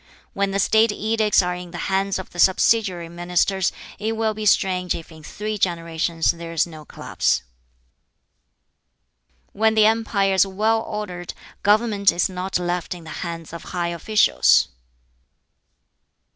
When the State edicts are in the hands of the subsidiary ministers, it will be strange if in three generations there is no collapse. "When the empire is well ordered, government is not left in the hands of high officials.